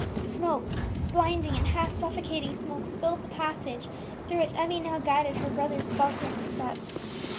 Smoke, blinding and half suffocating smoke, filled the passage through which Emmie now guided her brother's faltering steps.